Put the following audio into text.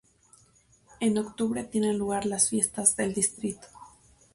En octubre tienen lugar las fiestas del distrito.